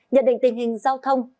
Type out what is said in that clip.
nhận định tình hình giao thông